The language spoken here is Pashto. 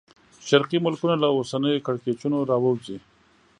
شرقي ملکونه له اوسنیو کړکېچونو راووځي.